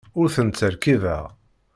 Ur tent-ttṛekkibeɣ.